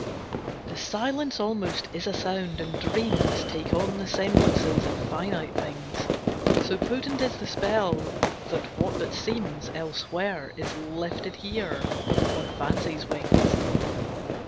The silence almost is a sound, and dreams Take on the semblances of finite things; So potent is the spell that what but seems Elsewhere, is lifted here on Fancy's wings.